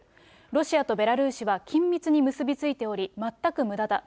ロシアとベラルーシは緊密に結び付いており、全くむだだ。